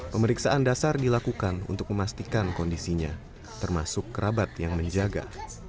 pemeriksaan dasar dilakukan untuk memastikan kondisinya termasuk kerabat yang menjaga